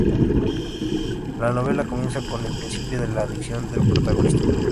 La novela comienza con el principio de la adicción del protagonista.